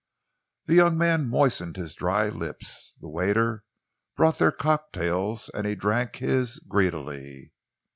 The young man moistened his dry lips. The waiter brought their cocktails and he drank his greedily.